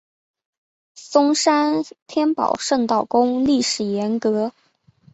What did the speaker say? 松山天宝圣道宫历史沿革